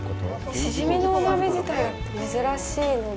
シジミのお鍋自体が珍しいので。